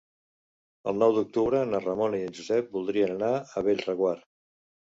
El nou d'octubre na Ramona i en Josep voldrien anar a Bellreguard.